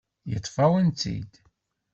Yeṭṭef-awen-tt-id.